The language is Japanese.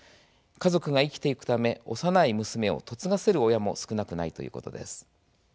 家族が生きていくため幼い娘を嫁がせる親も少なくないということです。